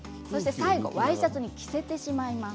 最後、ワイシャツに着せてしまいます。